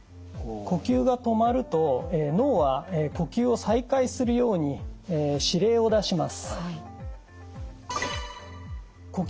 呼吸が止まると脳は呼吸を再開するように指令を出します。